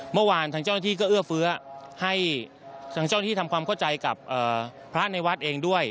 เมื่อวานทางเจ้าหน้าที่ก็เอื้อเฟื้อให้ทางเจ้าหน้าที่ทำความเข้าใจกับพระในวัดเองด้วย